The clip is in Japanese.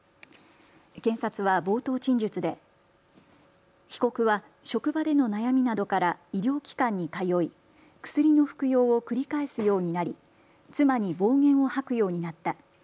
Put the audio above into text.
検察は冒頭陳述で被告は職場での悩みなどから医療機関に通い薬の服用を繰り返すようになり妻に暴言を吐くようになった。